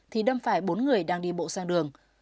thì đâm phải bốn người đang đi bộ sang đường